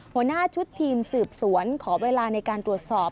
หัวหน้าชุดทีมสืบสวนขอเวลาในการตรวจสอบ